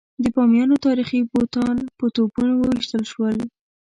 د بامیانو تاریخي بوتان په توپونو وویشتل شول.